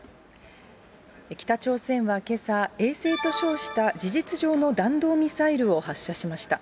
北朝鮮はけさ、衛星と称した事実上の弾道ミサイルを発射しました。